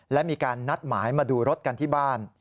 และมีการนัดหมายมาดูรถกันที่บ้าน